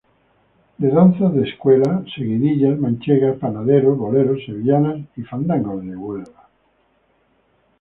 De danzas de escuela: seguidillas manchegas, panaderos, boleros, sevillanas y fandangos de Huelva.